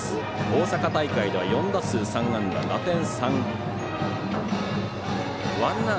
大阪大会では４打数３安打打点３。